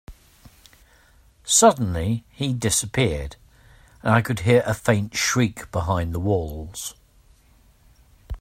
Suddenly, he disappeared, and I could hear a faint shriek behind the walls.